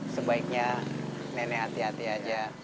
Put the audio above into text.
sebaiknya nenek hati hati aja